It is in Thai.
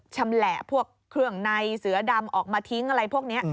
ชำแหละพวกเครื่องในเสือดำออกมาทิ้งอะไรพวกนี้